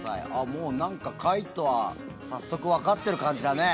もう海人は早速分かってる感じだね。